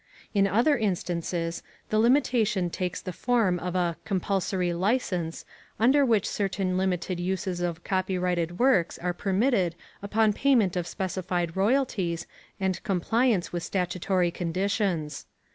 In other instances, the limitation takes the form of a "compulsory license" under which certain limited uses of copyrighted works are permitted upon payment of specified royalties and compliance with statutory conditions.